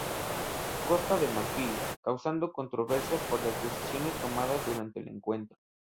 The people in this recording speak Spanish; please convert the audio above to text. Costa de Marfil, causando controversia por las decisiones tomadas durante el encuentro.